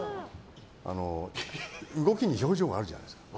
動きに表情があるじゃないですか。